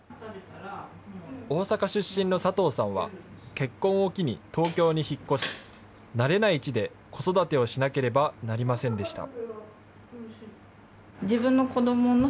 大阪出身の佐藤さんは、結婚を機に東京に引っ越し、慣れない地で子育てをしなければなりませんでした。